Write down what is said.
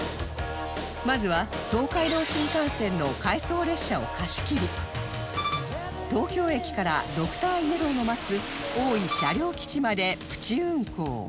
まずは東海道新幹線の回送列車を貸し切り東京駅からドクターイエローの待つ大井車両基地までプチ運行